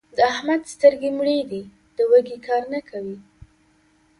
د احمد سترګې مړې دي؛ د وږي کار نه کوي.